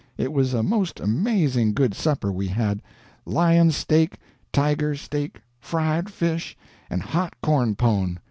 It was a most amazing good supper we had; lion steak, tiger steak, fried fish, and hot corn pone.